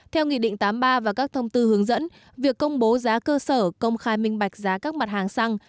theo nghị định tám mươi ba và các thông tư hướng dẫn việc công bố giá cơ sở công khai minh bạch giá các mặt hàng xăng